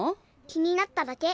気になっただけ。